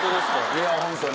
いやホントに。